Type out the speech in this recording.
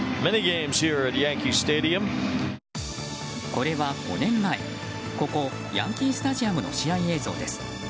これは、５年前ここヤンキースタジアムの試合映像です。